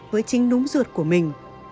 với chính núm ruột của mình